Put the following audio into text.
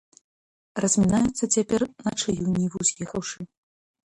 Размінаюцца цяпер на чыю ніву з'ехаўшы.